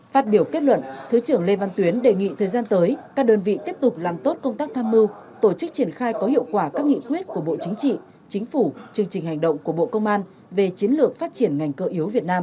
phát biểu kết luận thứ trưởng lê văn tuyến đề nghị thời gian tới các đơn vị tiếp tục làm tốt công tác tham mưu tổ chức triển khai có hiệu quả các nghị quyết của bộ chính trị chính phủ chương trình hành động của bộ công an về chiến lược phát triển ngành cơ yếu việt nam